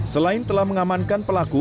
selain telah mengamankan pelaku